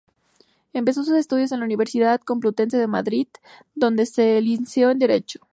Empezó sus estudios en la Universidad Complutense de Madrid, donde se licenció en derecho.